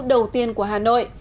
đầu tiên của hà nội